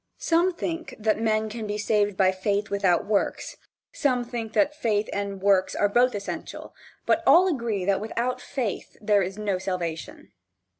Some think that men can be saved by faith without works, and some think that faith and works are both essential, but all agree that without faith there is no salvation.